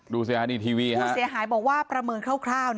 ดูเสียหายด์นี้ทีวีค่ะฟูเสียหายบอกว่าประเมินคร่าวนะครับ